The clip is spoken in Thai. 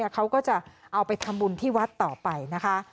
เขาก็จะเอาไปทำบุญที่วัดต่อไปนะคะ